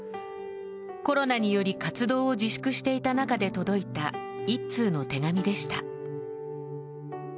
コロナにより活動を自粛していた中で届いた１通の手紙でした。